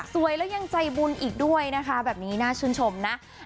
แล้วยังใจบุญอีกด้วยนะคะแบบนี้น่าชื่นชมนะ